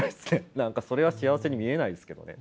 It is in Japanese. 何かそれは幸せに見えないですけどね。